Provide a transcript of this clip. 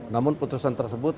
namun putusan tersebut